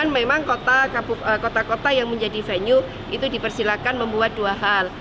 memang kota kota yang menjadi venue itu dipersilakan membuat dua hal